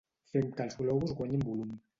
Fem que els globus guanyin volum.